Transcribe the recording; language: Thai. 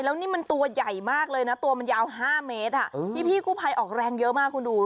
แล้วนี่มันตัวใหญ่มากเลยนะตัวมันยาว๕เมตรพี่กู้ภัยออกแรงเยอะมากคุณดู